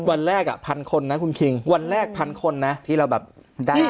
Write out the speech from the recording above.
วันแรกอ่ะพันคนนะคุณคิงวันแรกพันคนนะที่เราแบบได้